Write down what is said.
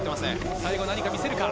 最後何か見せるか。